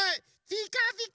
ピカピカ。